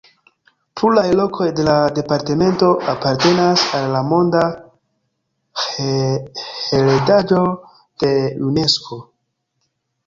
Pluraj lokoj de la departemento apartenas al la monda heredaĵo de Unesko.